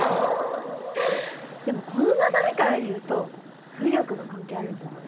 でもこの流れからいうと浮力が関係あるんじゃない？